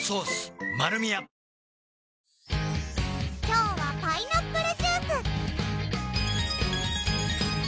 今日はパイナップルジュース！